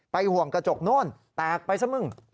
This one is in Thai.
ห่วงกระจกโน่นแตกไปซะมึง